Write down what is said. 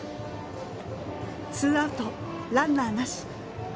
ツーアウト、ランナーなし。